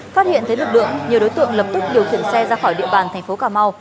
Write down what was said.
phát hiện thấy lực lượng nhiều đối tượng lập tức điều khiển xe ra khỏi địa bàn thành phố cà mau